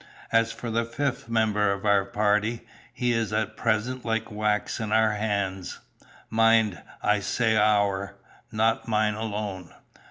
As for the fifth member of our party, he is at present like wax in our hands. Mind I say our, not mine alone.